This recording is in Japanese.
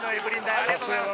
ありがとうございます。